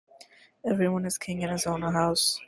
Every one is king in his own house.